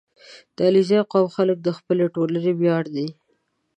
• د علیزي قوم خلک د خپلې ټولنې ویاړ دي.